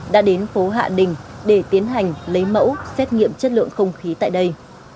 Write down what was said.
đã đến phố hạ đình để tiến hành lấy mẫu xét nghiệm chất lượng không khí tại đây